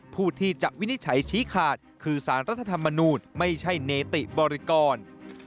ผู้ที่จะวินิจฉัยชี้ขาดคือสารรัฐธรรมนูญไม่ใช่เนติบริกร